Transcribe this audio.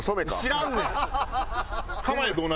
知らんねん！